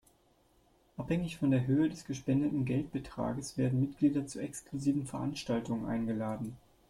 Abhängig von der Höhe des gespendeten Geldbetrages werden Mitglieder zu exklusiven Veranstaltungen eingeladen.